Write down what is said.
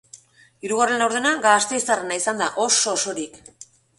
Hirugarren laurdena gasteiztarrena izan da, oso-osorik.